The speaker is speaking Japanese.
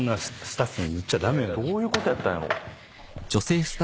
そんな人の。どういうことやったんやろ？